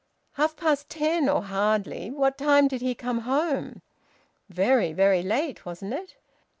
"Half past ten or hardly. What time did he come home? Very, very late, wasn't it?"